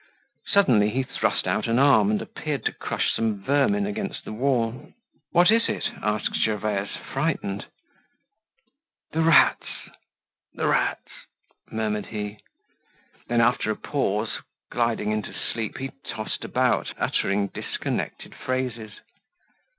Suddenly he thrust out an arm and appeared to crush some vermin against the wall. "What is it?" asked Gervaise, frightened. "The rats! The rats!" murmured he. Then, after a pause, gliding into sleep, he tossed about, uttering disconnected phrases.